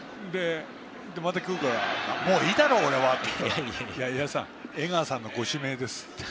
また来るからもういいだろうと言うと江川さんのご指名ですと。